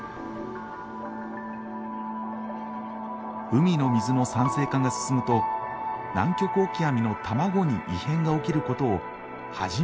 海の水の酸性化が進むとナンキョクオキアミの卵に異変が起きることを初めて突き止めた。